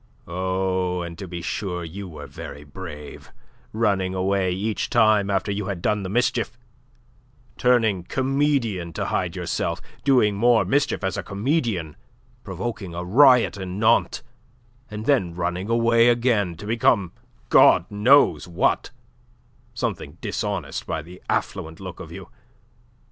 "Oh, and to be sure you were very brave, running away each time after you had done the mischief, turning comedian to hide yourself, doing more mischief as a comedian, provoking a riot in Nantes, and then running away again, to become God knows what something dishonest by the affluent look of you.